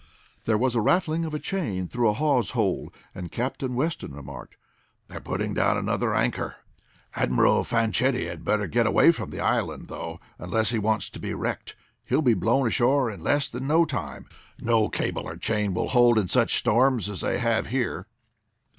There was a rattling of a chain through a hawse hole, and Captain Weston remarked: "They're putting down another anchor. Admiral Fanchetti had better get away from the island, though, unless he wants to be wrecked. He'll be blown ashore in less than no time. No cable or chain will hold in such storms as they have here."